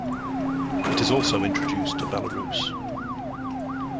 It is also introduced to Belarus.